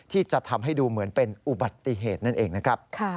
ที่จะทำให้ดูเหมือนเป็นอุบัติเหตุนั่นเองนะครับ